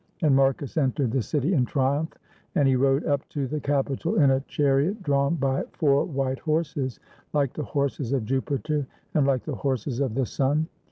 And Mar cus entered the city in triumph, and he rode up to the Capitol in a chariot drawn by four white horses, like the horses of Jupiter and like the horses of the sun.